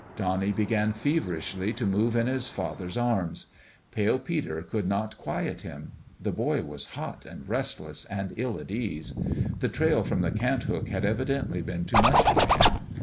Donnie began feverishly to move in his father's arms. Pale Peter could not quiet him. The boy was hot and restless and ill at ease. The trail from the Cant hook had evidently been too much for him.